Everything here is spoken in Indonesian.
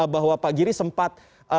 bahwa pak giri sempat